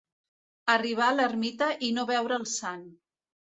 Arribar a l'ermita i no veure el sant.